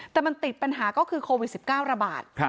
แต่มันติดปัญหาก็คือโควิด๑๙ระบาด